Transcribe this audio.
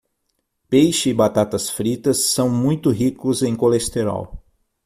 Peixe e batatas fritas são muito ricos em colesterol.